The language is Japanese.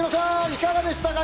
いかがでしたか？